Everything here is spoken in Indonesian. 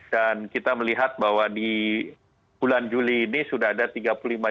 dan kita melihat bahwa di bulan juli ini sudah ada tiga puluh lima juta